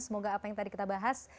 semoga apa yang tadi kita bahas